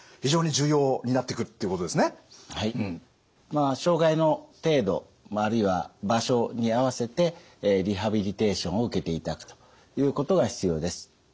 まあ障害の程度あるいは場所に合わせてリハビリテーションを受けていただくということが必要です。